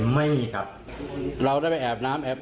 ไม่รู้จักชื่อนะครับ